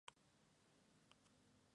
El director era viudo y padre de dos hijas.